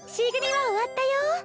Ｃ組は終わったよ